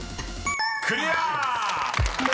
［クリア！］